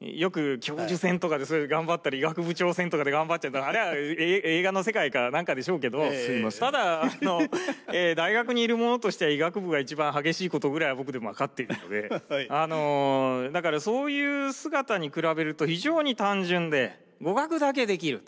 よく教授選とかで頑張ったり医学部長選とかで頑張ったりあれは映画の世界か何かでしょうけどただ大学に居るものとしては医学部が一番激しいことぐらいは僕でも分かっているのでだからそういう姿に比べると非常に単純で語学だけできると。